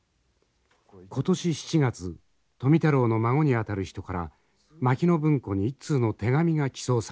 今年７月富太郎の孫にあたる人から牧野文庫に一通の手紙が寄贈されました。